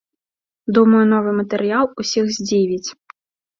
Думаю, новы матэрыял усіх здзівіць.